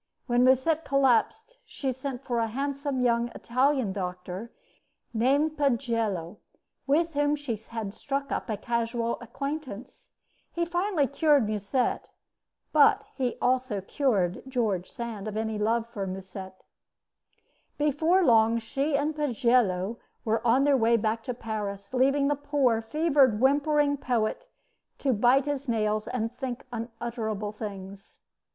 When Musset collapsed she sent for a handsome young Italian doctor named Pagello, with whom she had struck up a casual acquaintance. He finally cured Musset, but he also cured George Sand of any love for Musset. Before long she and Pagello were on their way back to Paris, leaving the poor, fevered, whimpering poet to bite his nails and think unutterable things.